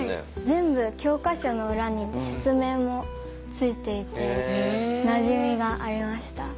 全部教科書の裏に説明もついていてなじみがありました。